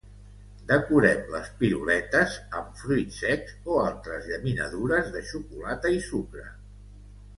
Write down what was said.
Decorem les piruletes amb fruits secs o altres llaminadures de xocolata i sucre.